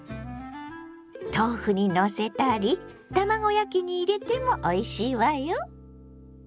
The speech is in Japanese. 豆腐にのせたり卵焼きに入れてもおいしいわよ。